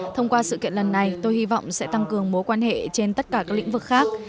thông qua sự kiện lần này tôi hy vọng sẽ tăng cường mối quan hệ trên tất cả các lĩnh vực khác